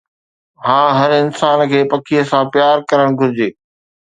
ها، هر انسان کي پکيءَ سان پيار ڪرڻ گهرجي